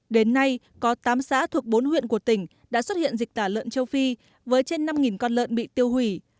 đến nay có tám xã thuộc bốn huyện của tỉnh đã xuất hiện dịch tả lợn châu phi với trên năm con lợn bị tiêu hủy